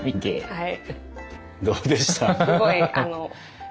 はい。